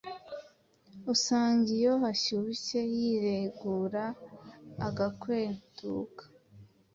usanga iyo hashyushye yiregura agakweduka